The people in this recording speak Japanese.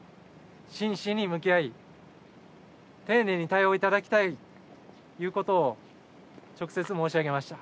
真摯に向き合い、丁寧に対応いただきたいということを直接申し上げました。